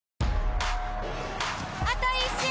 あと１周！